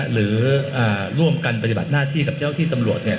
หรือร่วมกันปฏิบัติหน้าที่กับเจ้าที่ตำรวจ